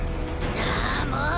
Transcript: ああもう！